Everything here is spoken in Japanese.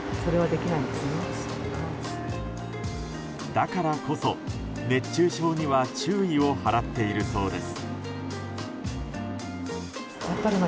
だからこそ、熱中症には注意を払っているそうです。